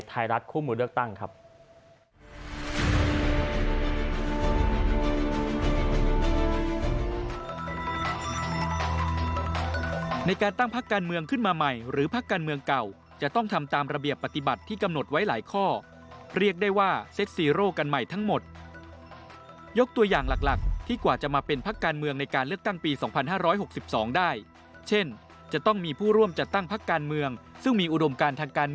ติดตามพร้อมกันในไทยรัฐคู่มูลเลือกตั้งครับ